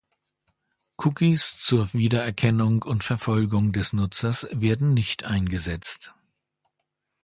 Cookies zur Wiedererkennung und Verfolgung des Nutzers werden nicht gesetzt.